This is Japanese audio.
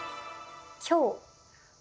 「今日」。